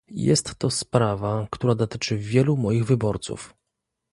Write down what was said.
Jest to sprawa, która dotyczy wielu moich wyborców